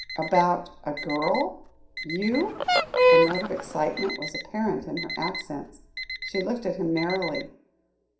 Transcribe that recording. "About a girl you!" A note of excitement was apparent in her accents; she looked at him narrowly.